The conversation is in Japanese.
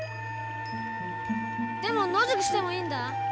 でも野宿してもいいんだ。